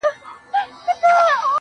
لكه د مور چي د دعا خبر په لپه كــي وي,